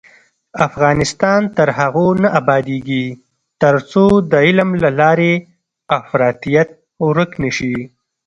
افغانستان تر هغو نه ابادیږي، ترڅو د علم له لارې افراطیت ورک نشي.